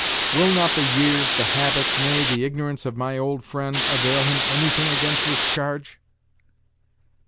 Will not the years, the habits, nay, the ignorance of my old friend, avail him any thing against this charge?"